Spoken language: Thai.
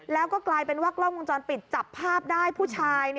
แล้วก็กลายเป็นว่ากล้องวงจรปิดจับภาพได้ผู้ชาย